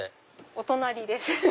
お隣です。